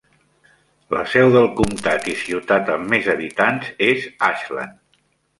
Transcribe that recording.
La seu del comtat i ciutat amb més habitants és Ashland.